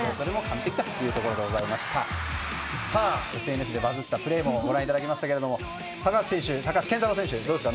ＳＮＳでバズったプレーをご覧いただきましたが高橋健太郎選手、どうですか。